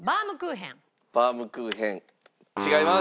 バウムクーヘン違います。